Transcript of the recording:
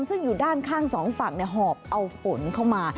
ซึ่งอยู่ด้านข้างสองฝั่งหอบเอาฝนเข้ามา